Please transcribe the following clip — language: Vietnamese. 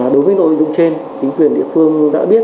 đối với nội dung trên chính quyền địa phương đã biết